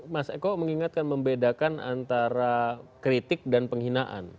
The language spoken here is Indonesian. mas eko mengingatkan membedakan antara kritik dan penghinaan